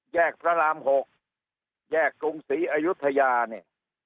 พระราม๖แยกกรุงศรีอายุทยาเนี่ย